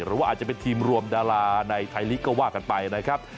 หรือว่าอาจจะเป็นทีมรวมดาราในไทยลีกก็ว่ากันไปนะครับ